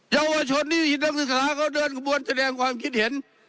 เยาวชนที่หิดลังศึกษาเขาเดินขบวนแจดงความคิดเห็น